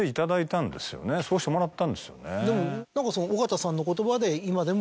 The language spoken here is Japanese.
そうしてもらったんですよね。